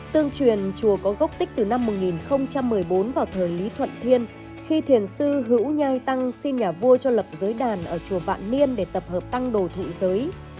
tương truyền chùa có gốc tích từ năm một nghìn một mươi bốn vào thời lý thuận thiên khi thiền sư hữu nhai tăng xin nhà vua cho lập giới đàn ở chùa vạn niên để tập hợp tăng đồ thụ giới